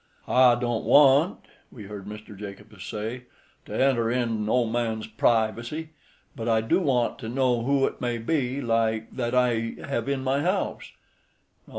"I don't want," we heard Mr. Jacobus say, "to enter in no man's pry vacy; but I do want to know who it may be, like, that I hev in my house.